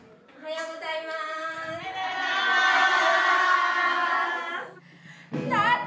おはようございます。